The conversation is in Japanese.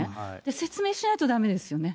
説明しないとだめですよね。